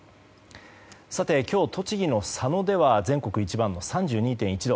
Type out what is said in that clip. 今日、栃木の佐野では全国一番の３２．１度。